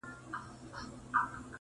لُور ته د حَوا لمن کښې واچوه